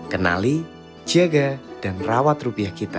kenali jaga dan rawat rupiah kita